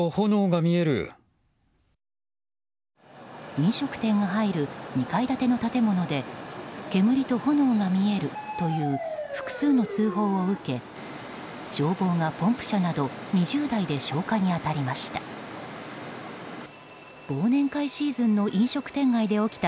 飲食店が入る２階建ての建物で煙と炎が見えるという複数の通報を受け消防がポンプ車など２０台で消火に当たりました。